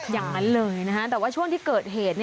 อย่างนั้นเลยแต่ว่าช่วงที่เกิดเหตุ